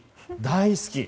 大好き！